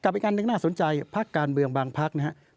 เช่นถ้าใจผ้าการเบืองบางพากษ์นะครับ